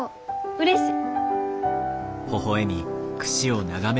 うれしい。